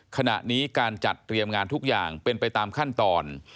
ขณะนี้การจัดเตรียมงานทุกอย่างเป็นไปตามขั้นตอน